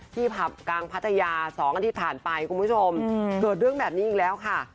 ผับกลางพัทยา๒อาทิตย์ผ่านไปคุณผู้ชมเกิดเรื่องแบบนี้อีกแล้วค่ะ